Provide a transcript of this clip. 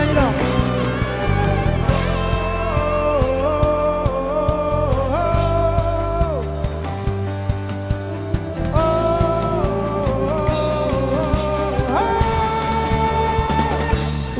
untuk danjap reno